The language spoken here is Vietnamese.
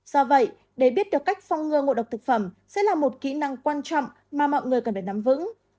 do vậy để biết được cách phong ngừa ngộ độc thực phẩm sẽ là một kỹ năng quan trọng mà mọi người cần phải nắm vững